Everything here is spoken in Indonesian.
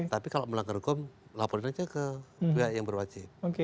tapi kalau melanggar hukum laporin aja ke pihak yang berwajib